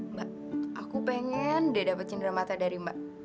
mbak aku pengen deh dapet cindera mata dari mbak